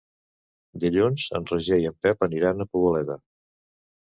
Dilluns en Roger i en Pep aniran a Poboleda.